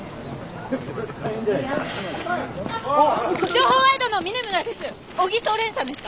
情報ワイドの峰村です。